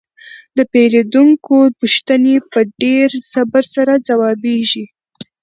د پیرودونکو پوښتنې په ډیر صبر سره ځوابیږي.